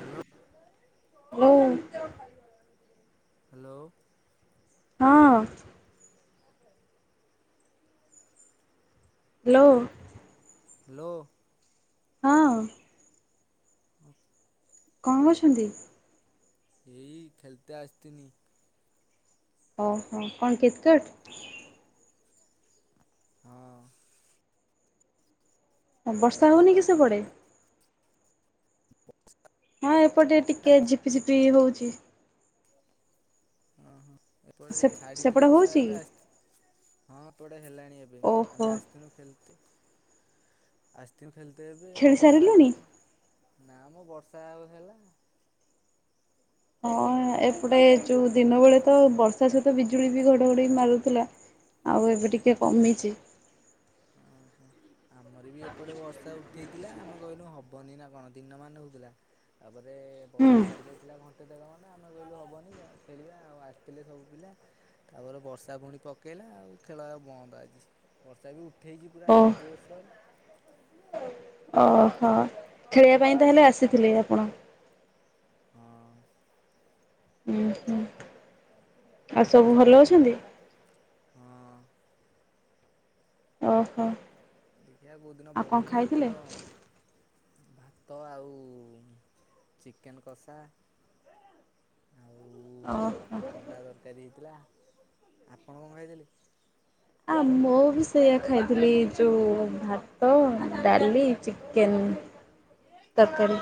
Hello ହୁଁ। Hello ହଁ, hello. Hello ହଁ। ଅଫ୍- କଣ କରୁଛନ୍ତି? ଏଇ ଖେଲତେ ଆସିଥିନି। ଓହୋ କଣ କ୍ରିକେଟ୍? ହଁ। ହ ବର୍ଷା ହଉନି ହଉଛି କି ନା? ସେପଟେ? ହଁ ଏପଟେ ଟିକେ ଝିପିଝିପି ହଉଛି। ଓହୋ ଏପଟେ ସେ ସେପଟେ ଛାଡିଥିଲା ବର୍ଷା ହଉଛି ଏବେ କି? ଆସି ହଁ ଏପଟେ ହେଲାଣି ଏବେ ଓହୋ ଆମେ ଆସିିଥିଲୁ ଖେ ଆସିଥିନ ଖେଳଥେ ଏବେ ଖେଳି ବର୍ଷା ତ ସାରିଲୁଣି? ହେଲା ନା ମ ବର୍ଷା ହେଲା ହଁ ଏପଟେ ଏ ଯୋଉ ଦିନ ବେଳେ ତ ବର୍ଷା ସହିତ ବିଜୁଳି ବି ଘଡଘଡି ମାରୁଥିଲା। ଆଉ ଏବେ ଟିକେ କମିଛି। ଓହୋ। ଆମର ବି ଏପଟେ ବର୍ଷା ଉଠେଇଥିଲା ଆମେ କହିଲୁ ହବନି ନା କଣ ଦିନ ମାନ ହଉଥିଲା। ତାପରେ ବର୍ଷା ହୁଁ ଛାଡି ଯାଇଥିଲା ଘଣ୍ଟ ଘଣ୍ଟେ ଦେଢ ଘଣ୍ଟା ଆମେ କହିଲୁ ହବନି ଖେଳିବା ଆଉ ଆସିଥିଲେ ସବୁ ପିଲା ତାପରେ ବର୍ଷା ପୁଣି ପକେଇଲା ଆଉ ଖେଳ ବନ୍ଦ ଆଜି। ବର୍ଷା ବି ଉ ଉଠେଇଛି ପୁରା ଓ ଜୋରସୋର। ଓହୋ ଖେଳିବା ପାଇଁ ତାହେଲେ ଆସିଥିଲେ ଆପଣ? ହଁ। ଉଁ ହୁଁ। ଆଉ ସବୁ ଭଲ ଦେଖିଆ କୁ ଅଛନ୍ତି? ହଁ। ଓହୋ ଦେଖିଆ କୋଉ ଦିନ ଆଉ କଣ ବହୁଣୀ ଏଇନା ଖାଇଥିଲେ? ତ ଭାତ ଆଉ ଚିକେନ୍ କଷା। ଆଉ ଓହୋ। ଅଣ୍ଡା ତରକାରୀ ହେଇଥିଲା ଆପଣ କଁ ଖାଇଥିଲେ? ଆ ମୁଁ ବି ସେଇଆ ଖାଇଥିଲି ଯୋଉ ଭାତ ଡାଲି ଚିକେନ୍। ତରକାରୀ।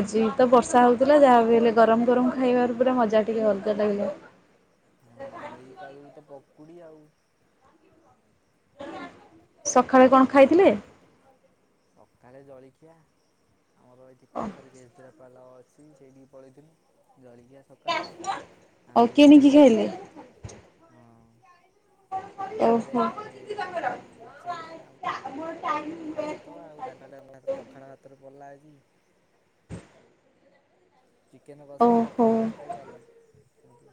ଆଜି ଓହୋ ତ ବର୍ଷା ହଉଥୁଲା ଯାହା ବି ହେଲେ ଗରମ ଗରମ ଖାଇବାର ପୁରା ମଜା ଟିକେ ଅଲଗା ଲାଗିଲା। ହଁ ଏଇ ପାଗୁକୁ ତ ପକୁଡ଼ି ଆଉ। ସକାଳେ କଣ ଏଇ ଖାଇଥିଲେ? ସକାଳେ ଜଳିଖିଆ। ଆମର ଏଇଠି ପାଖର କେସଦୁରାପାଲ ଅଛି ସେଇଠି ପଳେଇଥିନୁ ଜଳିଖିଆ ସକାଳ ଓ ଆଉ କିଣିକି ଗାଧୁଆଳେ ଖାଇଲେ? ହଁ। ଗାଧୁଆଳେ ଓହୋ। ଏଁ ସେଇଆ ଆଉ। ଭାତ ଆଉ ଗାଧୁଆଳେ ହାତ ଆମ ପଖାଳ ଭାତରେ ପଲା ଆଜି। ଚିକେନ କଷାକୁ ଓହୋ। ପଖାଳ ଭାତଟା ବି ଭଲ ଆଜ୍ଞା।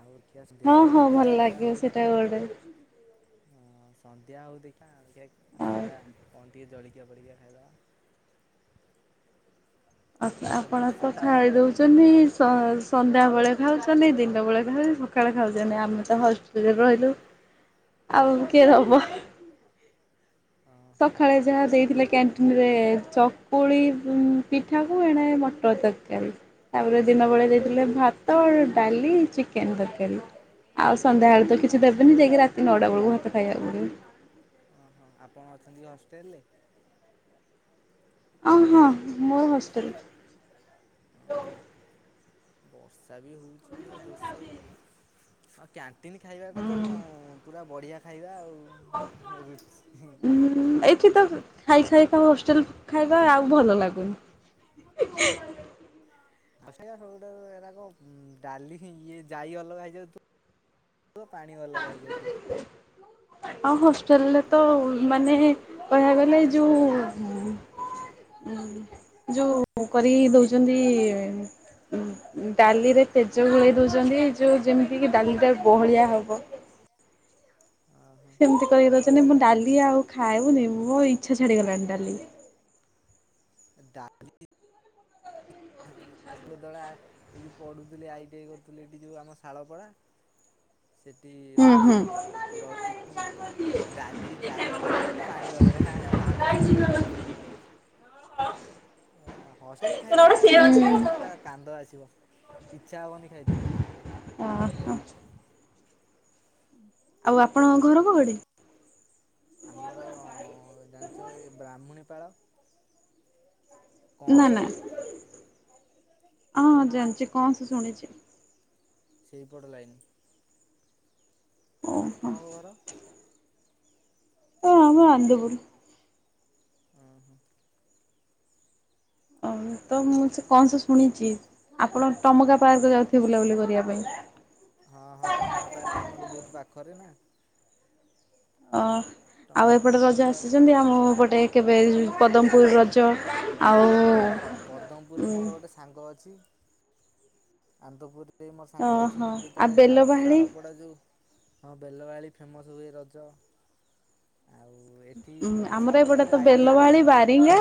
ଆଉ ରୁଖିଆ ହଁ ସନ୍ଧ୍ୟାଳେ ହଁ ଭଲ ସନ୍ଧ୍ୟା ଲାଗିବ ହଉ ସେଟା ଦେଖିଆ। [inaudible] ହଁ ସନ୍ଧ୍ୟା ହଉ ଦେଖା ଦେଖିଆ ଆଉ ଯିବା କଣ ଟିକେ ଜଳିଖିଆ ଫଳିଖିଆ ଖାଇଦବା। ଅ ଏଇନା ଆପଣ ବର୍ଷା ତ ପାଗ ଖାଇ ଆଉ ଦୋଉଚନ୍ତି। ସ ସନ୍ଧ୍ୟା ବେଳେ ଖାଉଛନ୍ତି ଦିନ ବେଳେ ଖାଉ ସକାଳେ ଖାଉଚନି ଆମେ ତ ହଷ୍ଟେଲରେ ରହିଲୁ। ଆଉ କିଏ ଦବ? ଓହୋ ସଖାଳେ ଯାହା ଦେଇଥିଲେ କ୍ୟାନ୍ ଟିନିରେ ଚକୁଳି ଉଁ ପିଠାକୁ ଏଣେ ମଟର ତରକାରୀ। ତାପରେ ଦିନ ବେଳେ ଦେଇଥିଲେ ଓହୋ ଭାତ ଡାଲି ଚିକେନ ତରକାରୀ ଆଉ ସନ୍ଧ୍ୟା ଏଳେ ତ କିଛି ଦେବେନି ଯାଇକି ରାତି ନଟା ବେଳୁକୁ ଭାତ ଖାଇବାକୁୁ ପଡ଼ିବ। ଓହୋ ଆପଣ ଅଛନ୍ତି ହଷ୍ଟେଲରେ? ଅଁ ହଁ ମୋର ହଷ୍ଟେଲ୍। ଓହୋ ବର୍ଷା ବି ହୋଉଚି ପୁରା ଜୋର ସୋରରେ। ହଁ କ୍ୟାଣ୍ଟିନି ଖାଇବାଟା ତ ପୁରା ବଢି଼ଆ ଖାଇବା ଆଉ। ରୁଚି ହୁଁ ଏଇଠି ତ ଖାଇ ଖାଇକା ହଷ୍ଟେଲ୍ ଖାଇବା ଆଉ ଭଲ ଲାଗୁନି। [inaudible] ହଉଠାରୁ ଏରାକ ଉଁ ଡାଲି ହିଁ ଇଏ ଜାଇ ଅଲଗା ହେଇଯାଉ ଥୁ ଉଅ ପାଣି ଅଲଗା ହେଇଯାଉଥୁବ। ଆଉ ହଷ୍ଟେଲ୍ ରେ ତ ପିଡାରେ ମାନେ କହିବାକୁ ଗଲେ ଏ ଯୋଉ ଉଁ ଯୋଉ କରିକି ଦୋଉଚନ୍ତି ଉଁ ଉଁ ଡାଲିରେ ପେଜ ଗୋଳେଇ ଦୋଉଚନ୍ତି ଯୋଉ ଯେମିତି କି ଡାଲିଟା ବହଳିଆ ଉଁ ହବ। ହୁଁ। ସେମତି କରି ଦୋଉଚନ୍ତି ମୁଁ ଡାଲି ଆଉ ଖାଏଉନି ମୋ ଇଚ୍ଛା ଛାଡ଼ି ଗଲାଣି ଡାଲି। ଡା ହୁଁ ହଷ୍ଟେଲ ଦଳା ଏଇ ଯୋଉ ପଢ଼ୁଥିଲି ଆଇ ଟି ଆଇ କରୁଥିଲି ହେଠି ଯୋଉ ଆମ ଶାଳପଡ଼ା। ସେଠି ଉଁ ହୁଁ। ରହିତିଲି ମୁଁ ଡାଲି ଜାଇ ଅଲଗାକୁ ପାଣି ଅଲଗା ଭାତ ସ ବୋହିଯାଇଥିଲା। ଅଁ ହ। ଅ ହଟେଲେ ଖାଇବା ଟା କୁହନା ଏରା କାନ୍ଦ ଆସିବ ଇଛା ହବନି ଖାଇ ତେ। ଓ ହୋ। ଆଉ ଆପଣଙ୍କ ଘର କୁଆଡେ? ଆମର ଜାଣିଚ ଏ ବ୍ରାହ୍ମଣୀପାଳ ନା ନା ହଁ ଜାଣିଚି କଣ ସେ ଶୁଣିଚି ସେଇପଟ ଲାଇନ୍ ଓହୋ ହଁ ଆପଣଙ୍କ ଘର? ହଁ ଆମ ଆନ୍ଦପୁୁର। ଓ ହୋଁ [inaudible] ତ ମୁଁ ସେ କଣ ସେ ଶୁଣିଚି ଆପଣ ଟମକା ପାର୍କ ଯାଉଥିବେ ବୁଲାବୁଲି କରିବା ପାଇଁ। ହଁ ହଁ ଟମାକା ପାର୍କ ଆମଠୁ ବହୁତ ପାଖରେ ନା। ଅ ଟ ଆଉ ଏପଟେ ଟମା ରଜ ପାର୍କ ଆସୁଚନ୍ତି ଆମ ପଟେ? ଏବେ ପଦମ୍ ପୁର ରଜ ଆଉ ହଁ ପଦମ୍ ପୁରରେ ମୋର ଗୋଟେ ସାଙ୍ଗ ଅଚି ଆନ୍ଦପୁର ଯିଏ ମୋ ସାଙ୍ଗ ଅଛି ଓହୋ ମୁଁ ଆଉ ଯେତବେଳେ ଶାଳ ବେଲବାହାଳି ଶାଳ ପଡା ଯୋଉ ହଁ ବେଲବାଳି ଫେମସ୍ ହୁଏ ରଜ ଆଉ ଏଠି ଆମର ଶାଳପଡ଼ା ଏପଟେ ଯୋଉ ତ I T I Belbahali college ନା ବାରିଙ୍ଗା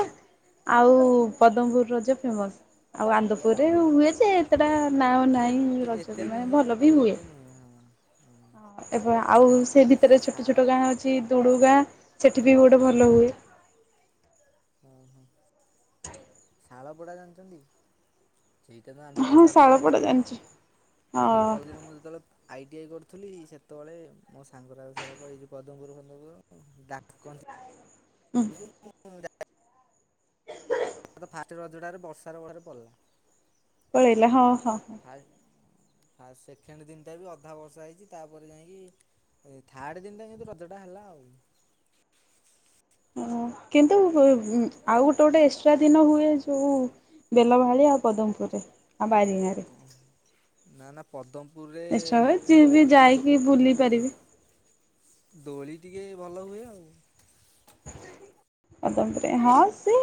ଆଉ ପଦମ୍ ପୁର ରଜ ଫେମସ୍। ଆଉ ଆନ୍ଦପୁରରେ ହଁ ହୁଏ ଯେ ଏତେଟା ନାଓ ନାଇଁ ଏତେ ରଜ ଏତେ ନାହି ନୁହେଁ ଭଲ ବି ଆଉ ହୁଏ। ଏତେ ନୁହେଁ ହଁ ହଁ ଏବେ ଆଉ ସେ ବିତରେ ଛୋଟ ଛୋଟ ଗାଁ ଅ ଅଛି ଦୁଡ଼ୁଗା ସେଠି ବି ଗୋଟେ ଭଲ ହୁଏ। ଓ ହୋ ଶାଳପଡା ଜାଣିଚନ୍ତି? ସେଇଟା ତ ଆନ୍ଦପୁର ହଁ ପାଖରେ ଲାଗିଚି ଶାଳପଡ଼ା ଆଉ ଜାଣିଛି ସେଇ କଲେଜେ ହଁ ରେ ମୁଁ ଯେତବେଳେ ଆଇ ଟି ଆଇ କରୁଥିଲି ସେତବେଳେ ମୋ ସାଙ୍ଗର ସେଟ କହିଛି ପଦମପୁର ଫଦମପୁର [inaudible] ଡାକନ୍ତି ଆଉ ତ ଫାର୍ଷ୍ଟ ରଜଟା ରେ ବର୍ଷାର ର ଭାର ପଡିଲା। ପଳେଇଲା ହଁ ହଁ। ହା ସେକେଣ୍ଡ ଦିନି ଠାରୁ ଅଧା ବର୍ଷା ହେଇଛି ତାପରେ ଯାଇକି ଏ ଥାର୍ଡ ଦିନଟା କିନ୍ତୁ ରଜ ଟା ହେଲା ଆଉ। ଓ କିନ୍ତୁ ଆଉ ଗୋଟେ ଗୋଟେ ଏକ୍ସଟ୍ରା ଦିନ ହୁଏ ଯୋଉ ବେଲଭାଳିଆ ଆଉ ପଦମପୁରରେ ଆଉ ବାରିନାରେ। ହୁଁ [inaudible] ନା ନା ପଦ୍ମପୁରରେ ଏକ୍ସଟ୍ରା ହୁଏ ଯିଏ ବି ଯାଇକି ବୁଲି ପାରିବେ। [inaudible] ଦୋଳି ଟିକେ ଭଲ ହୁଏ ଆଉ। ହ [inaudible] ଆଉ ତାପରେ ହଁ ସେ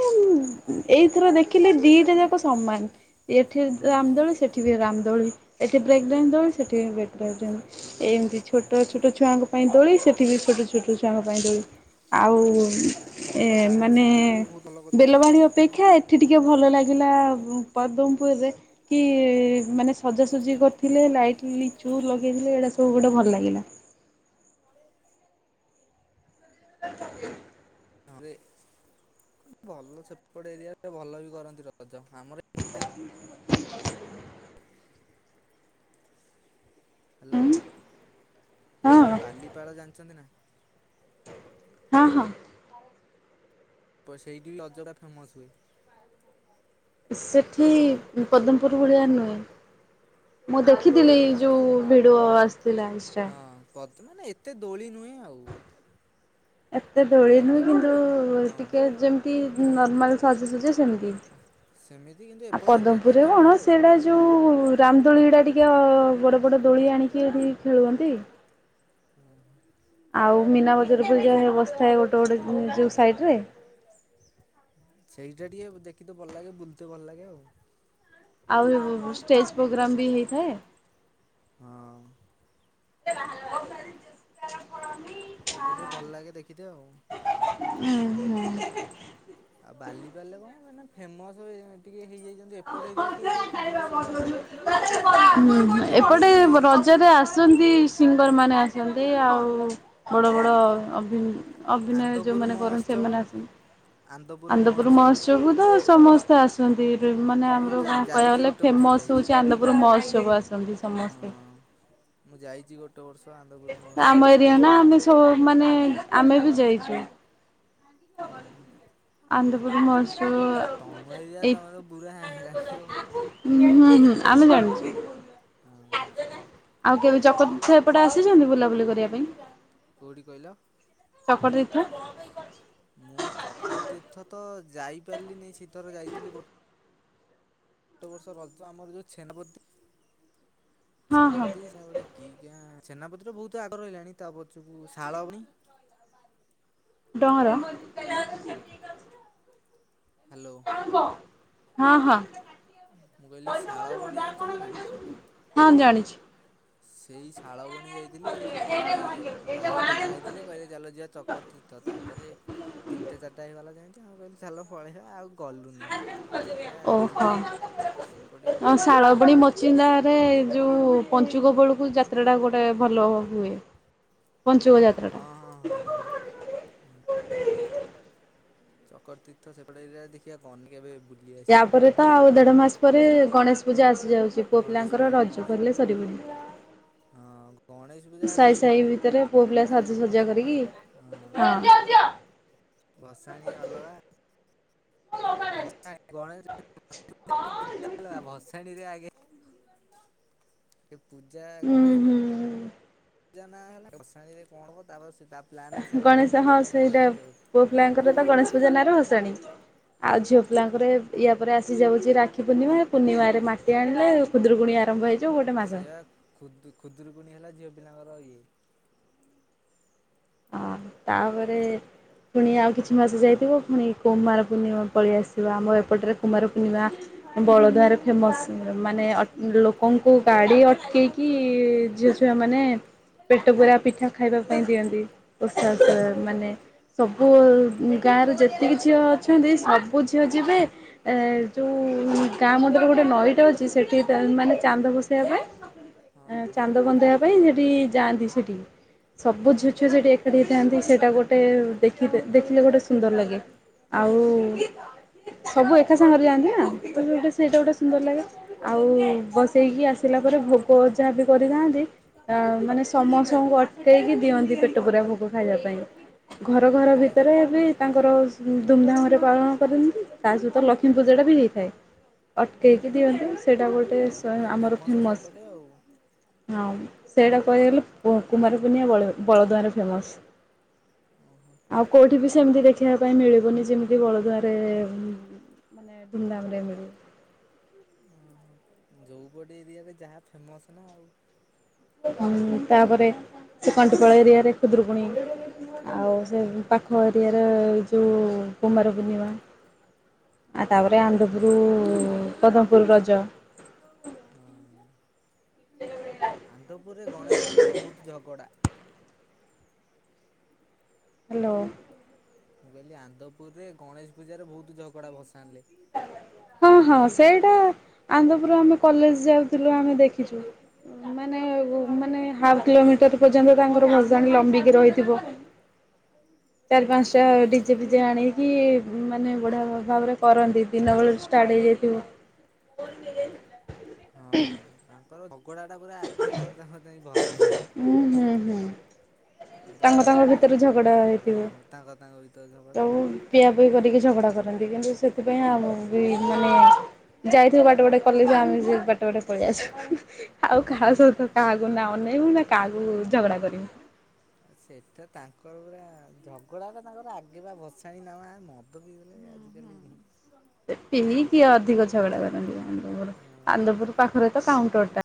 ଏଇଥର ଦେଖିଲି ଦିଇଟା ଯାକ ସମାନ। ଏଠି ହଁ ରାମଦୋଳି ସେଠି ବି ରାମଦୋଳି। ଏଠ ବେ ରାମଦୋଳି। ଦ ସେଠି ଏତି ସେଠି ଛୋଟ ଏକା ଛୋଟ [inaudible] ଛୋଟ ଛୁଆଙ୍କ ପାଇଁ ଦୋଳି ସେଠିବି ଛୋଟ ଛୋଟ ଛୁଆଙ୍କ ପାଇଁ ଦୋଳି। ଆଉ ନା ଭଲ ଏ ଯାହା ମାନେ ସେତିକି ବି ବହୁତ ଭଲ କରୁଛନ୍ତି। ବେଲବାଡି ଅପେକ୍ଷା ଏଠି ଟିକିଏ ଭଲ ଲାଗିଲା ପଦ୍ମପୁରୁ ରେ। କି ମାନେ ସଜାସଜି କରିଥିଲେ ଲାଇଟ୍ ଲିଚୁ ଲଗେଇଥିଲେ ଏଇଡ଼ା ସବୁ ଗୁଟେ ଭଲ ଲାଗିଲା। ତା [inaudible] ରେ ଭଲ ସେପଟ ଏରିଆରେ ଭଲ ବି କରନ୍ତି ରଜ ଆମର ଏପଟେ ହୁଁ [inaudible] ଉଁ ହାଲୋ ମୁଁ ହଁ କହିଲି ବାଲିପାଳ ଜାଣିଛନ୍ତି ନା? ହଁ ହଁ। ସେଇଠି ବି ଅଯଗା ଫେମସ୍ ହୁଏ। ସେଇଠି ପଦମପୁର ଭଳିଆ ନୁହେଁ। ମୁଁ ନା ଦେଖିଥିଲି ଇଏ ନା ଯୋଉ ଭିଡିଓ ଆସିଥିଲା ଇନଷ୍ଟା ହଁ ପଦ ମାନେ ଏତେ ଦୋଳି ନୁହେଁ ଆଉ। ଏତେ ଦୋଳି ପଦ ନୁହେଁ କିନ୍ତୁ ହଁ। ଟିକେ ଯେମିତି ନର୍ମାଲ ସାଜସଜା ସେମତି ସେମିତି କିନ୍ତୁ ଆଉ ଏପଟ ଏରିଆ ଟିକେ ପଦମପୁରରେ ଫେମସ୍ କଣ ଆଉ ସେଇଟା ଯଉଁ ରାମଦୋଳିଗୁଡା ଟିକେ ବଡ଼ ବଡ଼ ଦୋଳି ଆଣିକି ଏଠି ଖେଳୁଛନ୍ତି। ହଁ ଆଉ ମୀନା ମାନେ ବଜାର ପୂଜା ଫେମ ବସିଥାଏ ଗୋଟେ ହଁ ଗୋଟେ ଯୋଉ ହଁ ସାଇଡରେ। ହଁ। ସେଇଟା ଟିକେ ଦେଖିତେ ଭଲ ଲାଗେ ବୁଲିତେ ଭଲ ଲାଗେ ଆଉ। ଆଉ ଷ୍ଟେଜ ପ୍ରୋଗ୍ରାମ ବି ହେଇଥାଏ। ହଁ। [unintelligible] ସେଇଟା ଟିକେ ଭଲ ଲାଗେ ଦେଖିତେ ଆଉ। ହୁଁ ହ [unintelligible] ଆଉ ବାଲିପାରିଲେ କଣ ହବ ମାନେ ଫେମସ ଟିକେ ହେଇଯାଇ ମାନେ ଏତେ ଦୋଳି ଏପଟେ ନୁହେଁ କିନ୍ତୁ ରଜରେ ଆସ ଆସନ୍ତି ସିଙ୍ଗର ମାନେ ଆସନ୍ତି ଆଉ ବଡ ବଡ ଅଭି ଅଭିନୟ ଆନ୍ଦପୁର ଯୋଉମାନେ କରନ୍ତି ମହୋତ୍ସବ ସେମାନେ ଆସନ୍ତି। ଆନ୍ଦପୁର ଆନନ୍ଦପୁର ମହୋତ୍ସବ ମହୋତ୍ସବକୁ ତ ସମସ୍ତେ ଆସନ୍ତି। ମାନେ ମୁଁ ବି ଆମର କଣ ଯା-ଯାଇଛି କହିବାକୁ ଗଲେ ଗୋଟେ ବର୍ଷ ଫେମସ୍ ଯାଇଛି। ହେଉଛି ଆନ୍ଦପୁର ମହୋତ୍ସବ ଆସନ୍ତି ସମସ୍ତେ। ହଁ ମୁଁ ଯାଇଛି ଗୋଟେ ବର୍ଷ ଆନନ୍ଦପୁର ମହୋତ୍ସବ। [unintelligible] ସ ମାନେ ଆମେ ବି ଯାଇଛୁ। ଓହୋ। ଆନ୍ଦପୁର ମହୋତ୍ସବ ତମ ଏରିଆ ଏଇ ତମେ ତ ପୁରା ଜାଣିଥିବ। ହୁଁ ହୁଁ ହୁଁ ଆମେ ଜାଣିଚୁ। ହଁ ହଁ ସେଇଆ ସବୁ ଚକତୀର୍ଥ ଏପଟେ ଆସିଛନ୍ତି ବୁଲାବୁଲି କରିବା ପାଇଁ? କୋଉଠି କହିଲ? [unintelligible] ମୁଁ ଚକର ତୀର୍ଥ ତ ଯାଇପାରିଲିିନି ସେଥର ଯାଇଥିଲି ଗୋଟେ ଗୋଟେ ବର୍ଷ ରଜ ଆମର ଯୋଉ ଛେନାପଦୀ ହଁ ହଁ ଛେନପଦି [inaudible] କି ଜାଣି ସେନାପତି ତ ବହୁତ ଆଗ ରହିଲାଣି ତା ପଛକୁ ଶାଳ ପୁଣି ଡଅଁର [unintelligible] ହ୍ୟାଲୋ। ହଁ ହଁ। ମୁଁ କହିଲି ଶାଳ ବଣି ଜାଣିଛନ୍ତି ନା? ହଁ ଜାଣିଛି। ସେଇ ଶାଳବଣୀ ଯାଇଥିଲି ସେଇଠି ଜଣେ ଭାଇ ଦେଖା ହେଇଥିଲେ କହିଲେ ଜାଲ ଯିବା ଚକରତୀର୍ଥ ତ ତାପରେ ତିନିଟା, ଚାରିଟା ହେଇଗଲା ଯେମିତି ଆମେ କହିଲେ ଚାଲ ପଳେଇବା ଆଉ କଲୁନି ଦେଖିବା ଆଜି ମୁଁ ସେପଟେ ବି ଭଲ [unintelligible] ଚିନ୍ଦାରେ ଯେଉଁ ପଞ୍ଚୁକୋ ବେଳକୁ ଯାତ୍ରାଟା ଗୋଟେ ଭଲ ହୁଏ। ପଞ୍ଚୁକ ଯାତ୍ରା ଟା। ହୁଁ‌‌। ଚକର ତୀର୍ଥ ସେପଟେ ଏଇ ଦେଖିବା କଣ କେବେ ବୁ ୟାପରେ ତ ଆଉ ଦେଢ ମାସ ପରେ ଗଣେଶ ପୂ ପୂଜା ଆସିଯାଉଛି ପୁଅ ଗଣେଶ ପିଲାଙ୍କର ପୂଜା ରଜ ଗଣେ କରିଲେ ସରିବନି। ହଁ ଗଣେଶ ପୂଜା ସାହି ସାହି ଭିତରେ ପୁଅ ପିଲା ହେଲାେ ଆମ ସାଜସଜା ତ କରିକି ରଜ। ହଁ ଭସାଣିୀ ଅଲଗା ଭସାଣ ଗଣେଶ ପୂା ହେ ଭସାଣିୀରେ ଆଗେ ଏ ପୂଜା ହୁଁ ଗଣେଶ ପୂଜା ହୁଁ। ପୂଜା ନାଁ ହେଲା ବସାଣି ରେ କଣ କବ ତାପରେ ସ ଗଣେଶ ହଁ ସେଇଟା ପୁଅ ପିଲାଙ୍କର ତ ଗଣେଶ ପୂଜା ନାଁରେ ଭସାଣି। ଆଉ ହଁ ଝିଅ ପିଲାଙ୍କ ତା ପରେ ୟା ପରେ ଆସିଯାଉଛି ରାକ୍ଷୀ ପୂର୍ଣ୍ଣିମା ପୂର୍ଣିମାରେ ମାଟି ଆଣିଲେ କଷୁଦ୍ରକୁଣଣି ଆରମ୍ଭ ହେଇଛି ସେଆ ଖୁଦରୁକୁଣୀ ହେଲା ଝିଅ ପିଲାଙ୍କର ଇଏ। ହଁ ତାପରେ ପୁଣି ଆଉ କିଛି ମାସ ଯାଇଥିବ ପୁଣି କୁମାର ପୂର୍ଣ୍ଣିମା ପଳେଇ ଆସିବ ଆମ ଏପଟରେ କୁମାର ପୂର୍ଣ୍ଣିମା ବଳଦଆରେ ଫେମସ୍ ମାନେ ଲୋକଙ୍କୁ ଗାଡ଼ି ଅଟକିି କି ଝିଅଝିଆମାନେ ପେଟ ପରା ପିଠା ଖାଇବା ପାଇଁ ଦିଅନ୍ତି। ପଷା ଓହୋ ମାନେ ସବୁ ଗାଁରେ ଯେତିକି ଝିଅ ଅଛନ୍ତି ସବୁ ଝିଅ ଯିବେ ଏ ଯେଉଁ ଗାଁ ମୁଣ୍ଡରେ ଗୋଟେ ନଈଟା ଅଛି ସେଠି ମାନେ ଚାନ୍ଦ ବୋସେଇବା ପାଇଁ ଓହୋ ଚାନ୍ଦ ବନ୍ଧେଇବା ପାଇଁ ସେଠି ଯାଆନ୍ତି ସେଠି ସବୁ ଝୁ ଓହୋ ଛୁଆ ସେଠି ଥାନ୍ତି ସେଇଟା ଗୋଟେ ଦେ ଦେଖିଲେ ଗୋଟେ ସୁନ୍ଦର ଲାଗେ। ଆଉ ଓହୋ ସବୁ ଏକା ସାଙ୍ଗରେ ଯାଆନ୍ତି ନା ତ ଗୋଟେ ସେଇଟା ଗୋଟେ ଓହୋ ସୁନ୍ଦର ଲାଗେ। ଆଉ ବସେଇକି ଆସିଲା ପରେ ଭୋଗ ଯାହା ବି କରିଥାନ୍ତି। ଅ ମାନେ ସମସ୍ତଙ୍କୁ ଅଟେଇକି ଦିଅନ୍ତି ପେଟ ପୂରା ଭୋକ। ସବୁ ଖାଇବା ପାଇଁ। ଘର ତମର ଘର ଟିକେ ଫେ ଭିତରେ ଏ ବି ତାଙ୍କର ଧୁମଧାମ ରେ ପାଳନ କରନ୍ତି ତା ସହିତ ଲକ୍ଷ୍ମୀ ପୂଜା ଟା ବି ହେଇଥାଏ। ଅଟକେଇକି ଦିଅନ୍ତି ସେଇଟା ଗୋଟେ ତମର ଟିକେ ଆମର ଫେମସ୍। ସେପଟେ ଆଉ ହଁ ସେଇଟା କଗଲେ କୁମାରକୁୁନଆ ବଳଦୂଆଁରେ ଫେମସ୍। ଓହୋ ଆଉ କେଉଁଠି ବି ସେମିତି ଦେଖିବା ପାଇଁ ମିଳିବନି ଯେମିତି ବଳଦୁଆରେ ମାନେ ଧୁମଧାମ ରେ ମିଳୁ। ଓ ହୋ ଯୋଉ ପଟେ ଏରିଆରେ ଯାହା ଫେମସ ନା ଆଉ। ତାପରେ ସେକଣ୍ଟପାଳ ଏରିଆରେ ଖୁଦରୁକୁୁଣୀ ଆଉ ହଁ ସେ ପାଖ ଏରିଆରେ ଏ ଯେଉଁ କୁମାର ପୂର୍ଣ୍ଣିମା। ଆଉ ତାପରେ ଆନନ୍ଦପୁର ପଦମପୁର ରଜ। ହଁ ଆନ୍ତପୁରରେ ଗଣେଶ ପୂଜାର ବହୁତ ଝଗଡ଼ା। ହ୍ୟାଲୋ ମୁଁ କହିଲି ଆନ୍ଦପୁରରେ ଗଣେଶ ପୂଜାାରେ ବହୁତ ଝଗଡା ଭସାଣିଲେ। ହଁ ହଁ ସେଇଟା ଆନ୍ଦପୁର ଆମେ କଲେଜ ଯାଉଥିଲୁ ଆମେ ଦେଖିଛୁ। ମାନେ ମାନେ ହାଫ କିଲୋମିଟର ପର୍ଯ୍ୟନ୍ତ ତାଙ୍କର ଭସାନି ଲମ୍ବିକି ରହିଥିବ। ହଁ ଚାରି ପାଞ୍ଚ ଟା ଡିଜେ ପିଜେ ଆଣିକି ମାନେ ବଢିଆ ଭାବରେ କରନ୍ତି। ଦିନବେେଳ ଷ୍ଟାର୍ଟ ହେଇଯାଇଥିବ। [inaudible] ହଁ ତାଙ୍କର ଝଗଡା ଟା ପୁରା ଆଗେ ତୋର ତାଙ୍କ ଯାଇ ବସ ହୁଁ ହୁଁ ହୁଁ। ତାଙ୍କ ଆନ୍ଦପୁର ତାଙ୍କ ଆଉ ଭିତରେ ଝଗଡ଼ା ହେଇଥିବ। ହଁ ତାଙ୍କ ତାଙ୍କ ଭିତରେ ତ ଝଗଡ଼ା ହଁ। ଉ ପିଇଆ ପିଇ କରିକି ଝଗଡା କରନ୍ତି କିନ୍ତୁ ସେଥିପାଇଁ ଆମ ବି ମାନେ ଯାଇଥିବି ବାଟ ବାଟେ କଲେଜେ ଆମେ ସେ ବାଟେ ବାଟେ ପଳେଇ ଆସୁ ଆଉ କାହା ସହିତ କାହାକୁ ନା ଅନେଇବୁ ନା କାହାକୁ ଝଗଡ଼ା କରିବୁ। ଆ ସେଟା ତାଙ୍କର ପୁରା ଝଗଡା ପା ତାଙ୍କର ଆଗେ ବା ଭସାଣି ନମା ମଦ ପିଇଦେଲେ ଆଜି ଦେଲିନି। ସେ ପିଇକି ଅଧିକ ଝଗଡା କରନ୍ତି। ହଁ। ଆନ୍ଦପୁର ପାଖରେ ତ କାଉଣ୍ଟର ଟା।